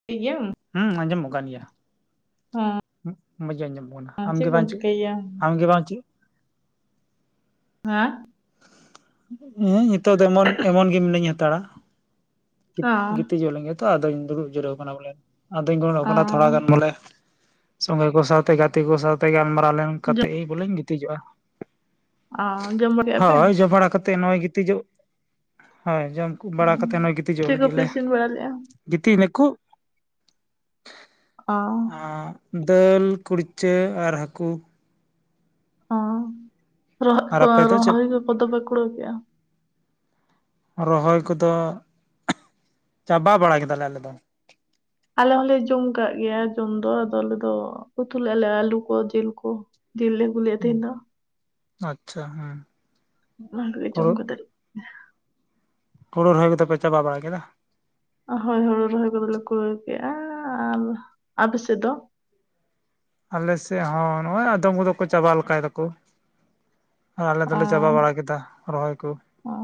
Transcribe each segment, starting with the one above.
[unintelligible] ᱦᱮᱸ ᱟᱸᱡᱚᱢᱚᱜ ᱠᱟᱱ ᱜᱮᱭᱟ ᱢᱚᱸᱡᱽ ᱜᱮ ᱟᱸᱡᱚᱢᱚᱜ ᱠᱟᱱᱟ ᱟᱢᱜᱮ ᱵᱟᱝ ᱪᱮᱫ ᱟᱢ ᱜᱮ ᱵᱟᱪᱮ᱾ ᱦᱮᱸ᱾ ᱦᱮᱸ ᱱᱤᱛᱳᱜ ᱫᱚ ᱮᱢᱚᱱ ᱮᱢᱚᱱ ᱜᱮ ᱢᱤᱱᱟᱹᱧ ᱦᱟᱛᱟᱲᱟ᱾ ᱜᱤᱛᱤᱡᱚᱣ ᱞᱮᱱ ᱜᱮᱭ ᱛᱚ ᱟᱫᱚᱧ ᱫᱩᱲᱩᱵ ᱡᱟᱹᱨᱩᱣ ᱟᱠᱟᱱᱟ ᱵᱚᱞᱮ᱾ ᱟᱫᱚᱧ ᱜᱚᱱᱚᱜ ᱠᱟᱱᱟ ᱛᱷᱚᱲᱟ ᱜᱟᱱ ᱵᱚᱞᱮ᱾ ᱥᱚᱸᱜᱮ ᱠᱚ ᱥᱟᱶᱛᱮ ᱜᱟᱛᱮ ᱠᱚ ᱥᱟᱶᱛᱮ ᱜᱟᱞᱢᱟᱨᱟᱣ ᱞᱮᱱ ᱠᱟᱛᱮᱜ ᱵᱚᱞᱮᱧ ᱜᱤᱛᱤᱡᱚᱜᱼᱟ᱾ ᱦᱳᱭ ᱡᱚᱢ ᱵᱲᱟ ᱠᱟᱛᱮ ᱱᱚᱜᱼᱚᱭ ᱜᱤᱛᱤᱡᱚᱜ ᱦᱳᱭ ᱡᱚᱢ᱾ ᱵᱟᱲᱟ ᱠᱟᱛᱮ ᱱᱚᱜ ᱜᱤᱛᱤᱡᱚᱜ ᱞᱟᱹᱜᱤᱫ ᱞᱮ ᱜᱤᱛᱤᱡ ᱱᱟᱠᱚ᱾ ᱟᱻ ᱫᱟᱹᱞ ᱠᱩᱲᱪᱟᱹ ᱟᱨ ᱦᱟᱹᱠᱩ᱾ ᱚ ᱟᱨ ᱨ ᱟᱯᱮ ᱫᱚ ᱪᱮᱫ ᱨᱚᱦᱚᱭ ᱠᱚᱫᱚ ᱯᱮ ᱠᱩᱲᱣ ᱠᱮᱼᱟ᱾ ᱨᱚᱦᱚᱭ ᱠᱚᱫᱚ ᱪᱟᱵᱟ ᱵᱟᱲᱟ ᱠᱮᱫᱟᱞᱮ ᱟᱞᱮ ᱫᱚ᱾ ᱟᱞᱮ ᱦᱚᱞᱮ ᱡᱚᱢ ᱠᱟᱜ ᱜᱮᱭᱟ ᱡᱚᱢ ᱫᱚ, ᱟᱫᱚ ᱟᱞᱮ ᱫᱚ ᱩᱛᱩᱞᱮ ᱟᱞᱮ ᱟᱞᱩ ᱠᱚ ᱡᱤᱞ ᱠᱚ ᱡᱤᱞ ᱞᱮ ᱟᱜᱩᱞᱮᱟ ᱛᱤᱦᱤᱧ ᱫᱚ᱾ ᱟᱪᱪᱷᱟ ᱦᱮᱸ᱾ ᱵᱟᱝ ᱜᱮ ᱡᱚᱢ ᱠᱟᱛᱮᱜ ᱦᱳᱬᱳ ᱨᱚᱦᱚᱭ ᱠᱚᱫᱚ ᱯᱮ ᱪᱟᱵᱟ ᱵᱟᱲᱟ ᱠᱮᱫᱟ? ᱦᱳᱭ ᱦᱳᱲᱩ ᱨᱚᱦᱚᱭ ᱠᱚᱫᱚᱞᱮ ᱠᱩᱲᱟᱹ ᱠᱮᱜᱼᱟ, ᱟᱨ ᱟᱯᱮᱥᱮᱫ ᱫᱚ? ᱟᱞᱮᱥᱮᱫ ᱦᱚᱸ ᱱᱚᱜᱼᱚᱭ ᱟᱫᱚᱢ ᱠᱚᱫᱚ ᱠᱚ ᱪᱟᱵᱟ ᱞᱮᱠᱟᱭ ᱫᱟᱠᱚ᱾ ᱟᱨ ᱟᱞᱮ ᱚ ᱫᱚᱞᱮ ᱪᱟᱵᱟ ᱵᱟᱲᱟ ᱠᱮᱫᱟ ᱨᱚᱦᱚᱭ ᱠᱩ᱾ ᱚ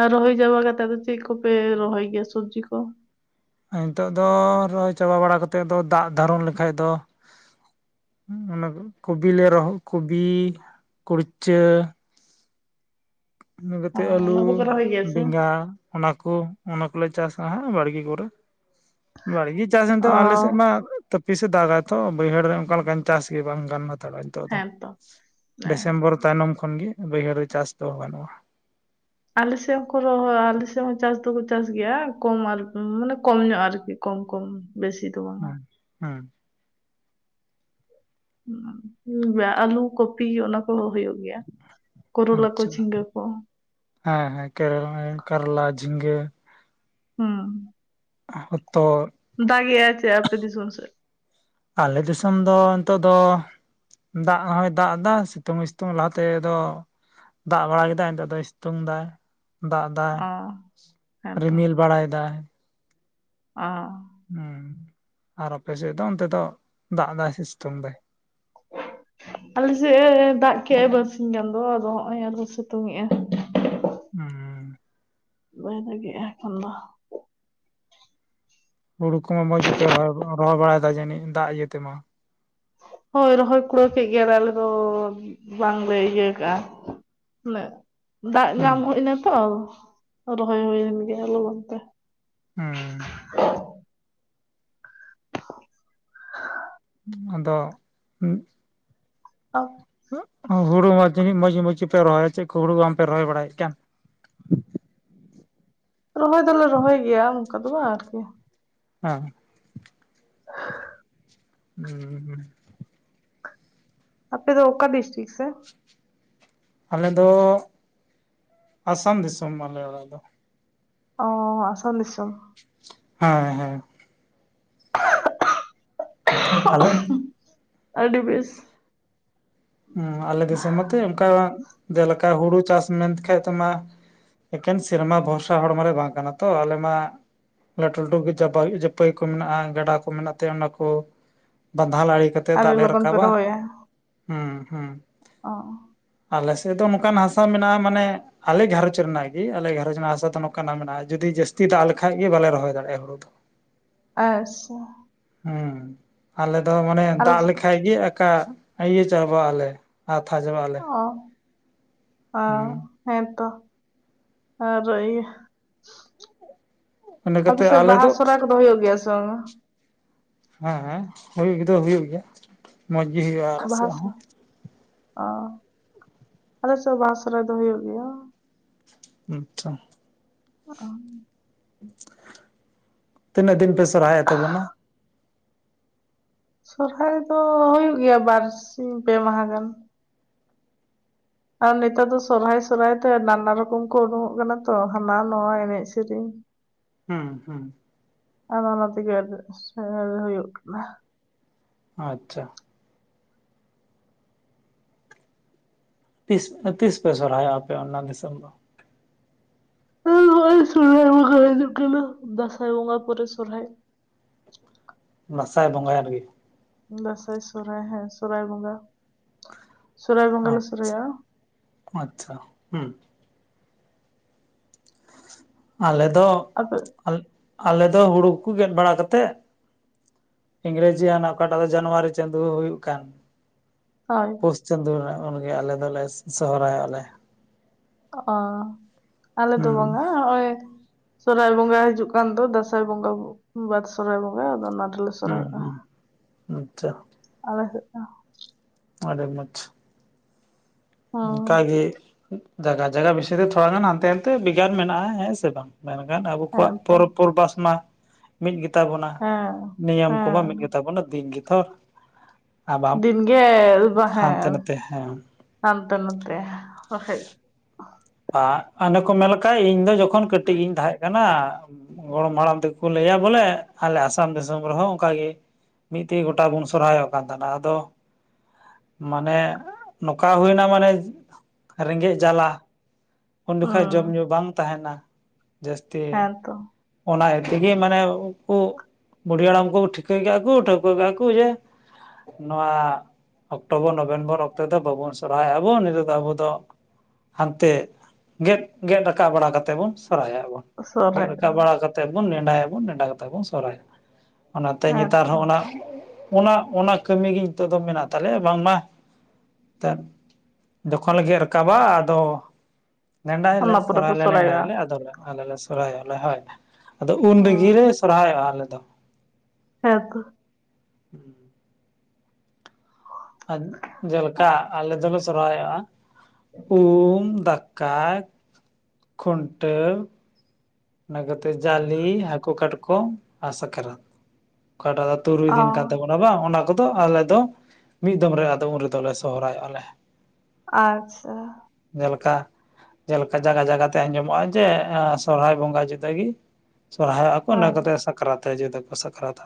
ᱟᱨ ᱨᱚᱦᱚᱭ ᱪᱟᱵᱟ ᱠᱟᱛᱮᱜ ᱫᱚ ᱪᱮᱫ ᱠᱚᱯᱮ ᱨᱚᱦᱚᱭ ᱜᱮᱭᱟ ᱥᱚᱵᱡᱤ ᱠᱚ? ᱱᱤᱛᱳᱜ ᱫᱚ ᱨᱚᱦᱚᱭ ᱪᱟᱵᱟ ᱵᱟᱲᱟ ᱠᱟᱛᱮᱫ ᱫᱚ ᱫᱟᱜ ᱫᱟᱨᱚᱱ ᱞᱮᱠᱷᱟᱡ ᱫᱚ ᱚᱱᱟ ᱠᱚᱵᱤᱞᱮ ᱨᱚᱦᱚᱜ ᱠᱚᱵᱤ ᱠᱩᱲᱪᱟᱹ᱾ ᱤᱱᱟᱹ ᱚ ᱠᱟᱛᱮᱜ ᱟᱹᱞᱩ ᱚᱱᱟ ᱠᱚᱯᱮ ᱨᱚᱦᱚᱭ ᱜᱮᱭᱟ ᱥᱮ? ᱵᱮᱸᱜᱟᱲ᱾ ᱚᱱᱟ ᱠᱚ ᱚᱱᱟᱠᱞᱮ ᱪᱟᱥᱟ ᱦᱟᱸᱜ ᱵᱟᱲᱜᱮ ᱠᱚᱨᱮ, ᱵᱟᱲᱜᱮ ᱪᱟᱥ ᱚ ᱱᱤᱛᱚᱜ ᱟᱞᱮᱥᱮᱫ ᱢᱟ ᱛᱚᱯᱤᱥᱮ ᱫᱟᱜᱟ ᱛᱚ ᱵᱟᱹᱭᱦᱟᱹᱲ ᱨᱮ ᱚᱱᱠᱟ ᱞᱮᱠᱟᱧ ᱪᱟᱥ ᱜᱮᱭᱟ ᱵᱟᱝ ᱜᱟᱱ ᱦᱟᱛᱟᱲ᱾ ᱱᱤᱛᱚᱜ ᱫᱚ ᱦᱮᱸᱛᱚ ᱦᱮᱸ ᱰᱤᱥᱮᱢᱵᱚᱨ ᱛᱟᱭᱱᱚᱢ ᱠᱷᱚᱱᱜ ᱵᱟᱹᱭᱦᱟᱹᱲ ᱨᱮ ᱪᱟᱥ ᱫᱚ ᱜᱟᱱᱩᱜᱼᱟ᱾ ᱟᱞᱮᱥᱮᱫ ᱦᱚᱸ ᱠᱚ ᱨ ᱟᱞᱮᱥᱮᱫ ᱦᱚᱸ ᱠᱚ ᱪᱟᱥ ᱫᱚᱠᱚ ᱪᱟᱥ ᱜᱮᱭᱟ ᱠᱚᱢ ᱟᱨᱠ ᱢᱟᱱᱮ ᱠᱚᱢ ᱧᱚᱜ ᱟᱨᱠᱤ᱾ ᱠᱚᱢ ᱠᱚᱢ ᱵᱮᱥᱤ ᱫᱚ ᱵᱟᱝᱟ ᱦᱚᱸ ᱦᱚᱸ᱾ ᱩᱸᱻ ᱵᱟ ᱟᱞᱩ ᱠᱚᱯᱤ ᱚᱱᱟ ᱠᱚᱦᱚᱸ ᱦᱳᱭᱳᱜ᱾ ᱜᱮᱭᱟ ᱠᱚᱨᱚᱞᱟ ᱠᱚ ᱟᱪᱪᱷᱟ᱾ ᱡᱷᱤᱸᱜᱟᱹ ᱠᱚ᱾ ᱦᱮᱸ ᱦᱮᱸ ᱠᱮᱨ ᱠᱟᱨᱞᱟ ᱡᱷᱤᱸᱜᱟᱹ ᱦᱩᱸ᱾ ᱦᱚᱛᱚᱫ᱾ ᱫᱟᱜ ᱜᱮ ᱟᱭ ᱥᱮ ᱟᱯᱮ ᱫᱤᱥᱚᱢ ᱥᱮᱫ? ᱟᱞᱮ ᱫᱤᱥᱚᱢ ᱫᱚ ᱱᱤᱛᱚᱜ ᱫᱚᱼᱼ ᱫᱟᱜ ᱦᱚᱭ ᱫᱟᱜ ᱫᱟ ᱥᱤᱛᱩᱝ ᱦᱚᱭ ᱥᱤᱛᱩᱝ ᱞᱟᱦᱟ ᱛᱮ ᱫᱚ ᱫᱟᱜ ᱵᱟᱲᱟ ᱠᱮᱫᱟᱭ ᱱᱤᱛᱳᱜ ᱫᱚᱭ ᱥᱤᱛᱩᱝ ᱫᱟᱭ᱾ ᱫᱟᱜ ᱫᱟᱭ ᱚ ᱦᱮᱸᱛᱚ ᱨᱤᱢᱤᱞ ᱵᱟᱲᱟᱭ ᱫᱟᱭ᱾ ᱟᱻ ᱦᱩᱸ ᱟᱨ ᱟᱯᱮ ᱥᱮᱫ ᱫᱚ ᱚᱱᱛᱮ ᱫᱚ ᱫᱟᱜ ᱫᱟᱭ ᱥᱮ ᱥᱤᱛᱩᱝ ᱫᱟᱭ? ᱟᱞᱮ ᱥᱮᱜ ᱮᱻ ᱫᱟᱜ ᱠᱮᱜᱼᱟᱭ ᱵᱟᱨᱥᱤᱧ ᱜᱟᱱ ᱫᱚ, ᱟᱫᱚ ᱦᱚᱸᱜᱼᱚᱭ ᱟᱨᱚ ᱥᱮᱛᱳᱝ ᱮᱸᱜᱼᱟ᱾ ᱩᱸ᱾ ᱵᱟᱭ ᱫᱟᱜᱮᱜᱼᱟ ᱮᱠᱷᱚᱱ ᱫᱚ᱾ ᱦᱩᱲᱩ ᱠᱚᱢᱟ ᱢᱚᱡ ᱜᱮᱯᱮ ᱨᱚᱦᱚ ᱨᱚᱦᱚᱭ ᱵᱟᱲᱟᱭᱫᱟ ᱡᱟᱱᱤᱡ ᱫᱟᱜ ᱤᱭᱟᱹ ᱛᱮᱢᱟ᱾ ᱦᱳᱭ ᱨᱚᱦᱚᱭ ᱠᱩᱲᱟᱹᱣ ᱠᱮᱜ ᱜᱮᱭᱟᱞᱮ ᱟᱞᱮ ᱫᱚ ᱵᱟᱝᱞᱮ ᱤᱭᱟᱹ ᱠᱟᱜᱼᱟ᱾ ᱱᱮᱜ ᱫᱟᱜ ᱦᱩᱸ ᱧᱟᱢ ᱦᱩᱭ ᱤᱱᱟᱹ ᱛᱮ ᱨᱚᱦᱚᱭ ᱦᱩᱭᱮᱱ ᱜᱮ ᱞᱚᱜᱚᱱ ᱛᱮ᱾ ᱦᱩᱸ᱾ [unintelligible] ᱟᱫᱚ ᱦᱩᱸᱜ ᱟ ᱚ ᱦᱩᱲᱩ ᱢᱟ ᱛᱤᱱᱟᱹᱜ ᱢᱚᱡᱽ ᱢᱚᱡᱽ ᱜᱮᱯᱮ ᱨᱚᱦᱚᱭ ᱪᱮᱜ ᱠᱚ ᱦᱳᱲᱳ ᱵᱟᱢᱯᱮ ᱨᱚᱦᱚᱭ ᱵᱟᱲᱟᱭᱮᱜ ᱠᱟᱱ? ᱨᱚᱦᱚᱭ ᱫᱚᱞᱮ ᱨᱚᱦᱚᱭ ᱜᱮᱭᱟ ᱚᱱᱠᱟ ᱫᱚ ᱵᱟᱝ ᱟᱨᱠᱤ᱾ ᱦᱩᱸ ᱦᱩᱸ ᱦᱩᱸ ᱟᱯᱮ ᱫᱚ ᱚᱠᱟ ᱰᱤᱥᱴᱤᱠ ᱥᱮ? ᱟᱞᱮ ᱫᱚᱻ ᱟᱥᱟᱢ ᱫᱤᱥᱚᱢ ᱟᱞᱮ ᱚᱲᱟᱜ ᱫᱚ ᱾ ᱚᱻ ᱟᱥᱟᱢ ᱫᱤᱥᱚᱢ᱾ ᱦᱮᱸ ᱦᱮᱸ᱾ ᱟᱞᱮ ᱟᱹᱰᱤ ᱵᱮᱥ᱾ ᱦᱩᱸ ᱟᱞᱮ ᱫᱤᱥᱚᱢ ᱢᱟᱛᱚ ᱚᱱᱠᱟ ᱡᱮᱞᱮᱠᱟ ᱦᱩᱲᱩ ᱪᱟᱥ ᱢᱮᱱ ᱛᱮᱠᱷᱟᱡ ᱛᱮᱢᱟ ᱮᱠᱮᱱ ᱥᱮᱨᱢᱟ ᱵᱷᱚᱨᱥᱟ ᱦᱚᱲ ᱢᱟᱞᱮ ᱵᱟᱝ ᱠᱟᱱᱟ ᱛᱚ ᱟᱞᱮ ᱢᱟ ᱞᱟᱹᱴᱩ ᱞᱟᱹᱴᱩ ᱜᱮ ᱪᱟᱯᱟᱭ ᱦᱩᱭᱩᱜ ᱯᱟᱹᱭ ᱠᱚ ᱢᱮᱱᱟᱜᱼᱟ ᱜᱟᱰᱟ ᱠᱚ ᱢᱮᱱᱟᱜ ᱛᱮ ᱚᱱᱟ ᱠᱚ ᱵᱟᱸᱫᱷᱟᱞ ᱟᱲᱮ ᱠᱟᱛᱮᱜ ᱫᱟᱜ ᱟᱹᱰᱤ ᱞᱮ ᱞᱚᱜᱚᱱ ᱯᱮ ᱨᱟᱠᱟᱵᱟ ᱨᱚᱦᱚᱭᱟ ᱦᱩᱸ ᱦᱩᱸ ᱚ ᱟᱞᱮ ᱥᱮᱜ ᱫᱚ ᱱᱚᱠᱟᱱ ᱦᱟᱥᱟ ᱢᱮᱱᱟᱜᱼᱟ ᱢᱟᱱᱮ ᱟᱞᱮ ᱜᱷᱟᱨᱚᱸᱡᱽ ᱨᱮᱱᱟᱜ ᱜᱮ ᱟᱞᱮ ᱜᱷᱟᱨᱚᱸᱡᱽ ᱨᱮᱱᱟᱜ ᱟᱞᱮ ᱜᱷᱟᱨᱚᱡ ᱨᱮᱱᱟᱜ ᱜᱮ ᱟᱞᱮ ᱜᱷᱟᱨᱚᱡ ᱨᱮᱱᱟᱜ ᱦᱟᱥᱟ ᱫᱚ ᱱᱚᱠᱟᱱᱟᱜ ᱢᱮᱱᱟᱜᱼᱟ ᱡᱩᱫᱤ ᱡᱟᱹᱥᱛᱤ ᱫᱟᱜ ᱞᱮᱠᱷᱟᱡ ᱜᱮ ᱵᱟᱞᱮ ᱨᱚᱦᱚᱭ ᱫᱟᱲᱮᱜᱼᱟ ᱦᱩᱲᱩ ᱫᱚ ᱾ [unintelligible] ᱮᱸᱜᱥᱮ ᱩᱸ ᱟᱞᱮ ᱫᱚ ᱢᱟᱱᱮ ᱟᱞᱮ ᱫᱟᱜ ᱞᱮᱠᱷᱟᱡ ᱜᱮ ᱟᱠᱟ ᱤᱭᱟᱹ ᱪᱟᱵᱟᱜ ᱟᱞᱮ ᱟᱣᱛᱷᱟ ᱪᱟᱵᱟᱜ ᱟᱞᱮ᱾ ᱚ ᱚᱻ ᱦᱩᱸ ᱦᱮᱸ ᱛᱚ ᱟᱨ ᱤᱭᱟᱹ ᱤᱱᱟᱹ ᱟᱯᱮ ᱠᱟᱛᱮ ᱥᱮᱫ ᱟᱞᱮ ᱵᱟᱦᱟ ᱥᱚᱦᱨᱟᱭ ᱠᱚ ᱫᱚ ᱦᱩᱭᱩᱜ ᱜᱮᱭᱟ ᱥᱮ ᱵᱟᱝᱟ? ᱦᱮᱸ ᱦᱮᱸ ᱦᱩᱭᱩᱜ ᱫᱚ ᱦᱩᱭᱩᱜ ᱜᱮᱭᱟ [inaudible] ᱢᱚᱡᱽ ᱜᱮ ᱦᱩᱭᱩᱜ-ᱟ ᱟᱞᱮ ᱥᱮᱫ ᱦᱚᱸ ᱾ ᱚ᱾ᱺ [inaudible] ᱟᱞᱮᱥᱮᱫ ᱦᱚ ᱵᱟᱦᱟ ᱥᱚᱦᱨᱟᱭ ᱫᱚ ᱦᱩᱭᱩᱜ ᱜᱮᱭᱟ ᱾ ᱟᱪᱪᱷᱟ ᱾ ᱚ ᱾ [inaudible] ᱛᱤᱱᱟᱹᱜ ᱫᱤᱱ ᱯᱮ ᱥᱚᱨᱦᱟᱭᱚᱜ ᱛᱟᱵᱚᱱᱟ? ᱥᱚᱨᱦᱟᱭ ᱫᱚ ᱦᱩᱭᱩᱜ ᱜᱮᱭᱟ ᱵᱟᱨ ᱥᱤᱧ ᱯᱮ ᱢᱟᱦᱟ ᱜᱟᱱ ᱾ ᱟᱨ ᱱᱮᱛᱟᱨ ᱫᱚ ᱥᱚᱨᱦᱟᱭ ᱥᱚᱨᱦᱟᱭ ᱛᱮ ᱱᱟᱱᱟ ᱨᱚᱠᱚᱢ ᱠᱚ ᱩᱰᱩᱠᱚᱜ ᱠᱟᱱᱟ ᱛᱚ ᱦᱟᱱᱟ ᱱᱟᱣᱟ ᱮᱱᱮᱡ ᱥᱮᱨᱮᱧ ᱾ [inaudible] ᱦᱩᱸ ᱦᱩᱸ ᱾ ᱟᱫᱚ ᱚᱱᱟ ᱛᱮᱜᱮ ᱟᱸᱰᱤ ᱩᱥᱟᱹᱨᱟ ᱜᱮ ᱦᱩᱭᱩᱜ ᱠᱟᱱᱟ ᱾ ᱟᱪᱪᱷᱟ ᱾ ᱛᱤᱥ ᱛᱤᱥ ᱯᱮ ᱥᱚᱨᱦᱟᱭᱚᱜ ᱟᱯᱮ ᱚᱱᱟ ᱫᱤᱥᱚᱢ ᱫᱚ? ᱦᱮᱸ ᱱᱚᱜᱚᱭ ᱥᱚᱨᱦᱟᱭ ᱵᱚᱸᱜᱟ ᱦᱤᱡᱩᱜ ᱠᱟᱱᱟ ᱫᱟᱸᱥᱟᱭ ᱵᱚᱸᱜᱟ ᱯᱚᱨᱮ ᱥᱚᱨᱦᱟᱭ ᱾ ᱫᱟᱥᱟᱭ ᱵᱚᱸᱜᱟ ᱦᱩᱭᱩᱜ ᱞᱟᱜᱤᱫ ᱾ ᱫᱟᱸᱥᱟᱭ ᱥᱚᱦᱨᱟᱭ ᱦᱮᱸ ᱥᱚᱨᱦᱟᱭ ᱵᱚᱸᱜᱟ ᱥᱚᱨᱦᱟᱭ ᱵᱚᱸᱜᱟ ᱞᱮ ᱥᱚᱨᱦᱟᱭᱚᱜ-ᱟ ᱾ ᱟᱪᱪᱷᱟ ᱦᱩᱸ ᱾ ᱟᱞᱮ ᱫᱚ ᱟᱫᱚ ᱟᱞ ᱟᱞᱮ ᱫᱚ ᱦᱩᱲᱩ ᱠᱚ ᱜᱮᱫ ᱵᱟᱲᱟ ᱠᱟᱛᱮᱫ ᱤᱝᱨᱮᱡᱤᱭᱟᱱ ᱚᱠᱟᱴᱟᱜ ᱫᱚ ᱡᱟᱱᱣᱟᱨᱤ ᱪᱟᱸᱫᱩ ᱦᱩᱭᱩᱜ ᱠᱟᱱ ᱾ ᱦᱚᱭ ᱾ ᱯᱩᱥ ᱪᱟᱸᱫᱳ ᱨᱮᱱᱟᱜ ᱩᱱ ᱜᱮ ᱟᱞᱮ ᱫᱚ ᱞᱮ ᱥᱚ ᱥᱚᱦᱨᱟᱭᱚᱜ-ᱟ ᱞᱮ᱾ ᱚᱸ ᱟᱞᱮ ᱫᱚ ᱦᱩᱸ ᱵᱟᱝᱟ ᱦᱚᱜ-ᱚᱭ ᱥᱚᱦᱨᱟᱭ ᱵᱚᱸᱜᱟ ᱦᱤᱡᱩᱜ ᱠᱟᱱ ᱫᱚ ᱫᱟᱸᱥᱟᱭ ᱵᱚᱸᱜᱟ ᱵᱟᱫ ᱥᱚᱦᱨᱟᱭ ᱵᱚᱸᱜᱟ ᱟᱫᱚ ᱚᱱᱟ ᱨᱮ ᱞᱮ ᱦᱩᱸ ᱦᱩᱸ ᱟᱪᱪᱷᱟ᱾ ᱟᱞᱮ ᱥᱮᱜ ᱫᱚ ᱟᱰᱤ ᱢᱚᱸᱡᱽ ᱾ ᱦᱮᱸ ᱚᱱᱠᱟ ᱜᱮ ᱡᱟᱜᱟ ᱡᱟᱜᱟ ᱵᱤᱥᱤ ᱛᱮ ᱛᱷᱚᱲᱟ ᱜᱟᱱ ᱦᱟᱱᱛᱮ ᱱᱟᱱᱛᱮ ᱵᱷᱮᱜᱟᱨ ᱢᱮᱱᱟᱜ-ᱟ ᱦᱮᱸ ᱥᱮ ᱵᱟᱝ ᱾ ᱢᱮᱱᱠᱷᱟᱱ ᱟᱵᱚ ᱠᱚᱣᱟᱜ ᱦᱮᱸ ᱛᱚ ᱯᱚᱨᱚᱵᱽ-ᱯᱚᱨᱵᱟᱥ ᱢᱟ ᱢᱤᱫ ᱜᱮ ᱛᱟᱵᱚᱱᱟ ᱦᱮᱸ ᱱᱤᱭᱟᱹᱢ ᱠᱚ ᱢᱟ ᱦᱮᱸ ᱢᱤᱫ ᱜᱮ ᱛᱟᱵᱚᱱᱟ ᱫᱤᱱ ᱜᱮ ᱛᱷᱚ ᱫᱤᱱ ᱜᱮ ᱵᱟ ᱦᱟᱱᱛᱮ ᱦᱮᱸ ᱱᱟᱛᱮ ᱦᱮᱸ [inaudible] ᱦᱟᱱᱛᱮ-ᱱᱟᱛᱮ ᱵᱟᱠᱷᱟᱡ ᱟᱜ ᱟᱱᱮ ᱠᱚ ᱢᱮᱞ ᱠᱟᱜ ᱤᱧ ᱫᱚ ᱡᱚᱠᱷᱚᱱ ᱠᱟᱹᱴᱤᱡ ᱜᱤᱧ ᱛᱟᱦᱮᱸᱜ ᱠᱟᱱᱟ ᱜᱚᱲᱚᱢ ᱦᱟᱲᱟᱢ ᱛᱮ ᱠᱚ ᱞᱟᱹᱭᱟ ᱵᱚᱞᱮ ᱟᱞᱮ ᱟᱥᱟᱢ ᱫᱤᱥᱚᱢ ᱨᱮ ᱦᱚᱸ ᱚᱝᱠᱟ ᱜᱮ᱾ ᱢᱤᱫ ᱛᱮᱜᱮ ᱜᱚᱴᱟ ᱵᱚᱱ ᱥᱚᱨᱦᱟᱭᱚᱜ ᱠᱟᱱ ᱛᱟᱦᱮᱱᱟ ᱟᱫᱚ ᱢᱟᱱᱮ ᱱᱚᱝᱠᱟ ᱦᱩᱭᱮᱱᱟ ᱢᱟᱱᱮ ᱨᱮᱸᱜᱮᱡ ᱡᱟᱞᱟ ᱩᱱ ᱡᱚᱠᱷᱟᱡ ᱦᱩᱸ ᱡᱚᱢ ᱧᱩ ᱵᱟᱝ ᱛᱟᱦᱮᱱᱟ ᱡᱟᱹᱥᱛᱤ ᱦᱮᱸᱛᱚ ᱚᱱᱟ ᱤᱭᱟᱹ ᱛᱮᱜᱮ ᱢᱟᱱᱮ ᱠᱩ ᱵᱩᱰᱷᱤ ᱦᱟᱲᱟᱢ ᱠᱚ ᱴᱷᱤᱠᱟᱹ ᱠᱮᱜ-ᱟ ᱠᱚ ᱴᱷᱟᱹᱣᱠᱟᱹ ᱠᱮᱜ-ᱟ ᱠᱚ ᱡᱮ ᱱᱚᱣᱟ ᱚᱠᱴᱚᱵᱚᱨ ᱱᱚᱵᱷᱮᱱᱵᱚᱨ ᱚᱠᱛᱮ ᱫᱚ ᱵᱟᱵᱚᱱ ᱥᱚᱨᱦᱟᱭᱚᱜ-ᱟ ᱵᱚᱱ ᱱᱤᱛᱚᱜ ᱫᱚ ᱟᱵᱚ ᱫᱚ ᱦᱟᱱᱛᱮ ᱜᱮᱫ ᱜᱮᱫ ᱨᱟᱠᱟᱵ ᱵᱟᱲᱟ ᱠᱟᱛᱮ ᱵᱚᱱ ᱥᱚᱦᱨᱟᱭᱚᱜ-ᱟ ᱵᱚᱱ ᱾ ᱜᱮᱫ ᱥᱚᱨᱦᱟᱭ ᱨᱟᱠᱟᱵ ᱵᱟᱲᱟ ᱠᱟ ᱛᱮᱜ ᱵᱚᱱ ᱱᱮᱰᱟᱭᱟᱵᱚᱱ ᱱᱮᱰᱟ ᱠᱟᱛᱮᱜ ᱵᱚᱱ ᱥᱚᱦᱨᱟᱭᱚᱜ-ᱟ ᱚᱱᱟᱛᱮ ᱱᱮᱛᱟᱨ ᱦᱮᱸᱛᱚ ᱦᱚᱸ ᱚᱱᱟ ᱚᱱᱟ ᱚᱱᱟ ᱠᱟᱹᱢᱤ ᱜᱮ ᱦᱤᱛᱚᱜ ᱫᱚ ᱢᱮᱱᱟᱜ ᱛᱟᱞᱮᱭᱟ ᱵᱟᱝ ᱢᱟ [unintelligible] ᱡᱚᱠᱷᱚᱱ ᱞᱮ ᱜᱮᱫ ᱨᱟᱠᱟᱵᱟ ᱟᱫᱚ ᱱᱮᱰᱟᱭᱟᱞᱮ ᱚᱱᱟ ᱯᱚᱨᱮ ᱯᱮ ᱥᱚᱨᱦᱟᱭ ᱞᱮ ᱱᱮᱰᱟᱭᱟ ᱥᱚᱨᱦᱟᱭᱚᱜᱼᱟ ᱞᱮ ᱟᱫᱚ ᱞᱮ ᱟᱞᱮ ᱞᱮ ᱥᱚᱨᱦᱟᱭᱚᱜ-ᱟ ᱞᱮ ᱦᱚᱭ ᱾ ᱟᱫᱚ ᱩᱱ ᱨᱤᱜᱮ ᱦᱩᱸ ᱞᱮ ᱥᱚᱨᱦᱟᱭᱚᱜ-ᱟ ᱟᱞᱮ ᱫᱚ᱾ ᱦᱮᱸ ᱛᱚ᱾ ᱦᱩᱸ᱾ ᱟᱫ ᱡᱮᱞᱠᱟ ᱟᱞᱮ ᱫᱚᱞᱮ ᱥᱚᱨᱦᱟᱭᱚᱜ-ᱟ ᱩᱢ ᱫᱟᱠᱟᱭ ᱠᱷᱩᱱᱴᱟᱹᱣ᱾ ᱚᱱᱟ ᱠᱟᱛᱮᱜ ᱡᱟᱞᱤ ᱦᱟᱠᱳ ᱠᱟᱴᱠᱚᱢ ᱟᱨ ᱥᱟᱠᱨᱟᱛ ᱚᱠᱟ ᱴᱟᱜ ᱫᱚ ᱛᱩᱨᱩᱭ ᱚ ᱫᱤᱱ ᱠᱟᱱ ᱛᱟᱵᱚᱱᱟ ᱵᱟᱝ ᱚᱱᱟ ᱠᱚ ᱫᱚ ᱟᱞᱮ ᱫᱚ ᱢᱤᱫ ᱫᱚᱢ ᱨᱮ ᱟᱫᱚ ᱩᱱ ᱨᱮᱫᱚ ᱞᱮ ᱥᱚᱦᱚᱨᱟᱭᱚᱜ-ᱟ ᱞᱮ᱾ ᱟᱪᱪᱷᱟ᱾ ᱡᱮᱞᱮᱠᱟ ᱡᱮᱞᱮᱠᱟ ᱡᱟᱜᱟ ᱡᱟᱜᱟ ᱛᱮ ᱟᱸᱡᱚᱢᱚᱜ-ᱟ ᱡᱮ ᱮᱸᱜ ᱥᱚᱨᱦᱟᱭ ᱵᱚᱝ ᱜᱟ ᱡᱩᱫᱟᱹ ᱜᱤ ᱥᱚᱨᱦᱟᱭᱚᱜ-ᱟ ᱠᱚ ᱤᱱᱟᱹ ᱦᱮᱸ ᱠᱟᱛᱮ ᱥᱟᱠᱨᱟᱛ ᱡᱩᱫᱟᱹ ᱠᱚ ᱥᱟᱠᱨᱟᱛᱟ᱾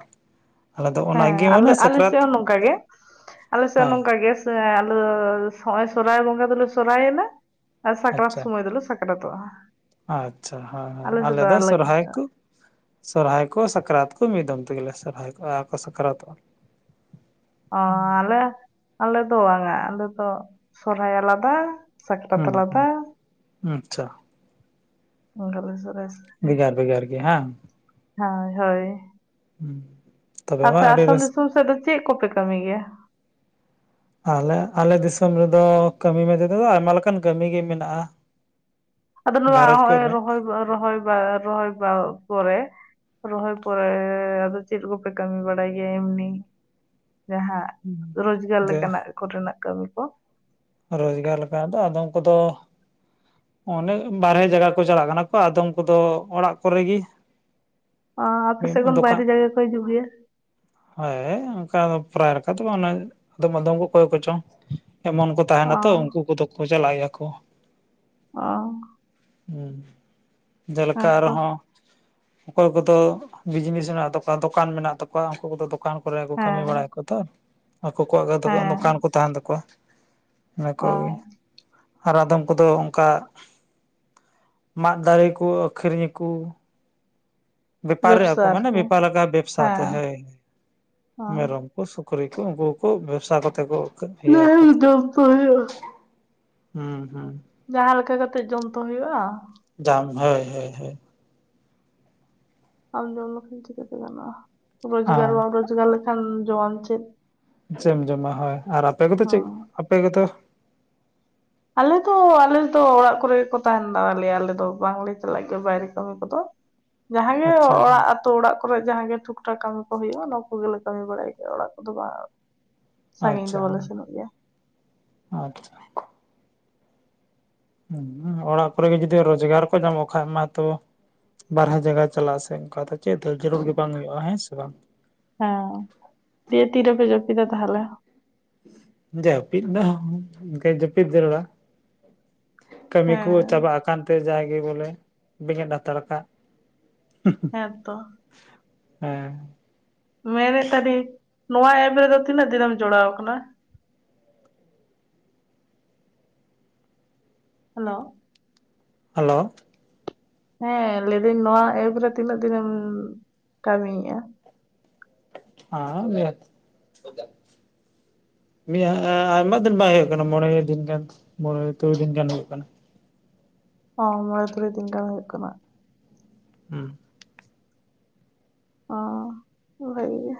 ᱦᱮᱸ ᱟᱞᱮ, ᱟᱞᱮ ᱥᱮᱜ ᱦᱚᱸ ᱱᱚᱝᱠᱟ ᱜᱮ ᱟᱞᱮ ᱥᱮᱜ ᱦᱚᱸ ᱦᱮᱸ ᱱᱚᱝᱠᱟ ᱜᱮ ᱥ ᱥᱮ ᱟᱞᱮ ᱫᱚ ᱦᱚᱸᱜᱚᱭ ᱥᱚᱨᱟᱭ ᱵᱚᱸᱜᱟ ᱫᱚ ᱞᱮ ᱥᱚᱨᱟᱭ ᱟᱨ ᱥᱟᱠᱨᱟᱛ ᱟᱪᱪᱷᱟ ᱥᱩᱢᱚᱭ ᱫᱚ ᱞᱮ ᱥᱟᱠ ᱠᱨᱟᱛᱚᱜ-ᱟ᱾ ᱟᱪᱪᱷᱟ ᱦᱟᱸ ᱦᱟᱸ ᱟᱞᱮ ᱫᱚ ᱥᱚᱨᱦᱟᱭ ᱠᱚ ᱥᱚᱨᱦᱟᱭ ᱠᱚ ᱥᱟᱠᱨᱟᱛ ᱠᱚ ᱢᱤᱫ ᱫᱚᱢ ᱛᱮ ᱜᱮ ᱞᱮ ᱥᱚᱨᱦᱟᱭ ᱠᱚᱜ-ᱟ ᱟᱨ ᱠᱚ ᱥᱟᱠᱨᱟᱛᱚᱜ-ᱟ᱾ ᱚᱸ ᱟᱞᱮ ᱟᱞᱮ ᱫᱚ ᱵᱟᱝᱟ ᱟᱞᱮ ᱫᱚ ᱥᱚᱨᱦᱟᱭ ᱟᱞᱟᱫᱟ ᱥᱟᱠᱨᱟᱛ ᱦᱩᱸ ᱟᱞᱟᱫᱟ ᱦᱩᱸ ᱟᱪᱪᱷᱟ [inaudible] ᱵᱷᱮᱜᱟᱨ ᱵᱷᱮᱜᱟᱨ ᱜᱮ ᱦᱟᱸᱝ? ᱦᱳᱭ ᱦᱳᱭ᱾ ᱦᱩᱸ᱾ ᱟᱯᱮ ᱟᱥᱟᱱ ᱫᱤᱥᱚᱢ ᱥᱮᱜ ᱫᱚ ᱪᱮᱫ ᱠᱚ ᱯᱮ ᱠᱟᱹᱢᱤ ᱜᱮᱭᱟ? ᱟᱞᱮ ᱟᱞᱮ ᱫᱤᱥᱚᱢ ᱨᱮ ᱫᱚ ᱠᱟᱹᱢᱤ ᱢᱮᱱᱛᱮ ᱫᱚ ᱟᱭᱢᱟ ᱞᱮᱠᱟᱱ ᱠᱟᱹᱢᱤ ᱜᱮ ᱢᱮᱱᱟᱜ-ᱟ᱾ ᱟᱫᱚ ᱱᱚᱣᱟ ᱦᱚᱜ-ᱚᱭ ᱨᱚᱦᱚᱭ ᱵᱟ ᱨᱚᱦᱚᱭ ᱵᱟ ᱯᱚᱨᱮ ᱨᱚᱦᱚᱭ ᱯᱚᱨᱮ ᱟᱫᱚ ᱪᱮᱫ ᱠᱚ ᱯᱮ ᱠᱟᱹᱢᱤ ᱵᱟᱲᱟᱭ ᱜᱮᱭᱟ ᱮᱢᱱᱤ ᱡᱟᱦᱟᱸ ᱨᱚᱡᱽᱜᱟᱨ ᱡᱮ ᱞᱮᱠᱟᱱᱟᱜ ᱠᱚᱨᱮᱱᱟᱜ ᱠᱟᱹᱢᱤ ᱠᱚ? ᱨᱚᱡᱽᱜᱟᱨ ᱞᱮᱠᱟ ᱫᱚ ᱟᱫᱚᱢ ᱠᱚᱫᱚ ᱚᱱᱮ ᱵᱟᱨᱦᱮ ᱡᱟᱭᱜᱟ ᱠᱚ ᱪᱟᱞᱟᱜ ᱠᱟᱱᱟ ᱠᱚ ᱟᱫᱚᱢ ᱠᱚᱫᱚ ᱚᱲᱟᱜ ᱠᱚᱨᱮ ᱜᱤ᱾ ᱚᱻ ᱟᱯᱮ ᱥᱮᱫ ᱠᱷᱚᱱ ᱵᱟᱭᱨᱮ ᱡᱟᱭᱜᱟ ᱠᱚ ᱦᱤᱡᱩᱜ ᱜᱮᱭᱟ? ᱦᱳᱭ ᱚᱱᱠᱟ ᱯᱨᱟᱭᱟᱨᱠᱟ ᱞᱮᱠᱟ ᱫᱚ ᱚᱱᱮ ᱟᱫᱚ ᱟᱫᱚᱢ ᱠᱚ ᱚᱠᱚᱭ ᱠᱚᱪᱚᱝ ᱮᱢᱚᱱ ᱠᱚ ᱚ ᱛᱟᱦᱮᱱᱟ ᱛᱚ ᱩᱱᱠᱩ ᱠᱚᱫᱚ ᱠᱚ ᱪᱟᱞᱟᱜ ᱜᱮᱭᱟ ᱠᱚ᱾ ᱚᱻ ᱦᱩᱸ ᱡᱮᱞᱮᱠᱟ ᱦᱮᱸᱛᱚ ᱟᱨᱦᱚᱸ ᱚᱠᱚᱭ ᱠᱚᱫᱚ ᱵᱤᱡᱽᱱᱮᱥ ᱢᱮᱱᱟᱜᱱ ᱛᱟᱠᱚᱣᱟ ᱫᱚᱠᱟᱱ ᱢᱮᱱᱟᱜ ᱛᱟᱠᱚᱣᱟ ᱩᱱᱠᱩ ᱠᱚᱫᱚ ᱫᱚᱠᱟᱱ ᱠᱚᱨᱮ ᱠᱚ ᱠᱟᱹᱢᱤ ᱦᱮᱸ ᱵᱟᱲᱟᱭ ᱟᱠᱚ ᱛᱚ ᱟᱠᱚ ᱠᱚᱣᱟᱜ ᱜᱮ ᱫᱚᱠᱚ ᱦᱮᱸ ᱫᱚᱠᱟᱱ ᱠᱚ ᱛᱟᱦᱮᱱ ᱛᱟᱠᱚᱣᱟ᱾ ᱟᱠᱚ ᱚ ᱜᱮ ᱟᱨ ᱟᱫᱚᱢ ᱠᱚᱫᱚ ᱚᱱᱠᱟ ᱢᱟᱜ ᱫᱟᱨᱮ ᱠᱚ ᱟᱹᱠᱷᱨᱤᱧᱟᱠᱚ᱾ ᱵᱮᱯᱟᱨᱮᱜᱼᱟ ᱵᱮᱵᱥᱟ ᱠᱚ ᱢᱟᱱᱮ ᱟᱨᱠᱤ ᱵᱮᱯᱟᱨ ᱞᱮᱠᱟ ᱵᱮᱵᱥᱟᱛᱮ ᱦᱮᱸ ᱦᱳᱭ ᱚ ᱢᱮᱨᱚᱢ ᱩᱱ ᱥᱩᱠᱨᱤ ᱠᱚ ᱩᱱᱠᱩ ᱠᱚ ᱵᱮᱵᱥᱟ ᱠᱟᱛᱮ ᱠᱚ ᱤᱭᱟᱹ ᱠᱟᱫᱟ ᱡᱚᱢ ᱛᱚ ᱦᱩᱭᱩᱜᱼᱟ ᱦᱩᱸ ᱦᱩᱸ᱾ ᱡᱟᱦᱟᱸ ᱞᱮᱠᱟ ᱠᱟᱛᱮᱜ ᱡᱚᱢ ᱛᱚ ᱦᱩᱭᱩᱜᱼᱟ᱾ ᱡᱟᱢ ᱦᱳᱭ ᱦᱳᱭ ᱦᱳᱭ᱾ ᱟᱢ ᱡᱚᱢ ᱞᱮᱠᱷᱟᱱ ᱪᱤᱠᱟᱹᱛᱮ ᱜᱟᱱᱚᱜᱼᱟ ᱨᱚᱡᱽᱜᱟᱨ ᱟᱨ ᱵᱟᱝ ᱨᱚᱡᱽᱜᱟᱨ ᱞᱮᱠᱷᱟᱱ ᱡᱚᱢᱟᱢ ᱪᱮᱫ? ᱪᱮᱫ ᱮᱢ ᱡᱚᱢᱟ ᱦᱳᱭ ᱟᱨ ᱟᱯᱮ ᱠᱚᱫᱚ ᱪᱮᱫ ᱦᱚᱸ ᱟᱯᱮ ᱠᱚᱫᱚ? ᱟᱞᱮ ᱫᱚ ᱟᱞᱮ ᱫᱚ ᱚᱲᱟᱜ ᱠᱚᱨᱮ ᱜᱮᱠᱚ ᱛᱟᱦᱮᱱ ᱫᱟᱞᱮᱭᱟ ᱟᱞᱮ ᱫᱚ ᱵᱟᱝᱞᱮ ᱪᱟᱞᱟᱜ ᱜᱮᱭᱟ ᱵᱟᱭᱨᱮ ᱠᱟᱹᱢᱤ ᱠᱚᱫᱚ ᱾ ᱡᱟᱦᱟᱸᱜᱮ ᱟᱪᱪᱷᱟ ᱦᱮᱸ ᱚᱲᱟᱜ ᱛᱚ ᱚᱲᱟᱜ ᱠᱚᱨᱮ ᱡᱟᱦᱟᱸ ᱜᱮ ᱴᱷᱩᱠ ᱴᱷᱟᱠ ᱠᱟᱹᱢᱤ ᱠᱚ ᱦᱩᱭᱩᱜᱼᱟ ᱱᱚᱣᱟ ᱠᱚᱜᱮᱞᱮ ᱠᱟᱹᱢᱤ ᱵᱟᱲᱟᱭ ᱜᱮᱭᱟ ᱚᱲᱟᱜ ᱠᱚᱫᱚ ᱵᱟᱝᱼᱼ ᱥᱟᱹᱜᱤᱧ ᱫᱚ ᱟᱪᱪᱷᱟ ᱵᱚᱞᱮ ᱥᱮᱱᱚᱜ ᱜᱮᱭᱟ᱾ ᱟᱪᱪᱷᱟ ᱦᱩᱸ ᱚᱲᱟᱜ ᱠᱚᱨᱮ ᱜᱮ ᱡᱩᱫᱤ ᱨᱳᱡᱽᱜᱟᱨ ᱠᱚ ᱧᱟᱢᱚᱜ ᱠᱷᱟᱡ ᱢᱟᱛᱚᱼᱼ ᱵᱟᱨᱦᱮ ᱡᱟᱭᱜᱟ ᱪᱟᱞᱟᱜ ᱥᱮ ᱚᱱᱠᱟ ᱫᱚ ᱪᱮᱫ ᱡᱟᱹᱨᱩᱲ ᱜᱮ ᱵᱟᱝ ᱦᱩᱭᱩᱜᱼᱟ ᱦᱮᱸ ᱥᱮ ᱵᱟᱝ? ᱦᱮᱸ ᱫᱤᱭᱮ ᱛᱤ ᱨᱮᱯᱮ ᱡᱟᱹᱯᱤᱫᱟ ᱛᱟᱦᱚᱞᱮ? ᱡᱟᱹᱯᱤᱫ ᱫᱚ ᱮᱱᱠᱟ ᱡᱟᱹᱯᱤᱫ ᱡᱟᱹᱨᱩᱲᱟ᱾ ᱠᱟᱹᱢᱤ ᱠᱚ ᱦᱮᱸ ᱪᱟᱵᱟ ᱟᱠᱟᱱ ᱛᱮ ᱡᱟ ᱜᱮ ᱵᱚᱞᱮ ᱵᱮᱸᱜᱮᱫ ᱦᱟᱛᱟᱲ ᱠᱟᱜ᱾ ᱦᱮᱸᱛᱚ ᱦᱮᱸ ᱢᱮᱱᱮᱫ ᱛᱟᱦᱮᱱᱤᱧ ᱱᱚᱣᱟ ᱮᱯ ᱨᱮᱫᱚ ᱛᱤᱱᱟᱹᱜ ᱫᱤᱱᱮᱢ ᱡᱚᱲᱟᱣ ᱟᱠᱟᱱᱟ? ᱦᱮᱞᱳ ᱦᱮᱞᱳ ᱦᱮᱸ ᱞᱟᱹᱭ ᱫᱟᱹᱧ ᱱᱚᱣᱟ ᱮᱵ ᱨᱮ ᱛᱤᱱᱟᱹᱜ ᱫᱤᱱᱮᱢ ᱠᱟᱹᱢᱤᱭᱮᱜᱼᱟ? [inaudible] ᱱᱤᱭᱟ ᱟᱭᱢᱟ ᱫᱤᱱ ᱵᱟᱝ ᱦᱩᱭᱩᱜ ᱠᱟᱱᱟ ᱢᱚᱬᱮ ᱫᱤᱱ ᱜᱟᱱ ᱢᱚᱬᱮ ᱛᱩᱨᱩᱭ ᱫᱤᱱ ᱜᱟᱱ ᱦᱩᱭᱩᱜ ᱠᱟᱱᱟ ᱾ ᱚ ᱢᱚᱲᱮ ᱛᱩᱨᱩᱭ ᱫᱤᱱ ᱜᱟᱱ ᱦᱩᱭᱩᱜ ᱠᱟᱱᱟ ᱾ ᱦᱮᱸ ᱚ ᱵᱷᱟᱹᱜᱤ ᱜᱮ